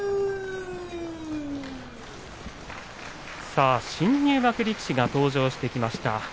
さあ、新入幕力士が登場してきました。